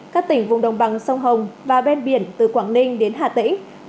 các tỉnh vùng đồng bằng sông hồng và ven biển từ quảng ninh đến hà tĩnh